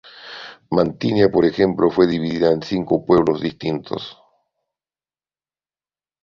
Mantinea, por ejemplo, fue dividida en cinco pueblos distintos.